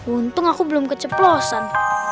untung aku belum keceplosan